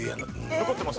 残ってます？